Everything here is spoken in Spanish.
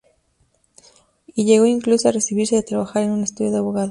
Y llegó incluso a recibirse y a trabajar en un estudio de abogados.